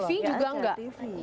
tv juga enggak